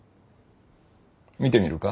見てみるか？